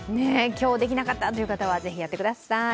今日できなかったという方はぜひやってください。